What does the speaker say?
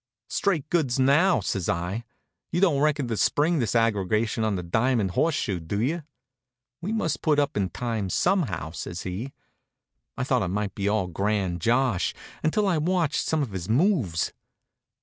"Straight goods, now," says I, "you don't reckon to spring this aggregation on the diamond horse shoe, do you?" "We must put in the time somehow," says he. I thought it might be all a grand josh, until I'd watched some of his moves.